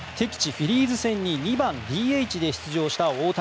フィリーズ戦に２番ＤＨで出場した大谷。